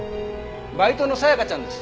バイトの沙也加ちゃんです。